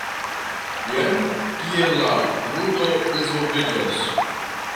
Jen kiel la ludo disvolviĝas.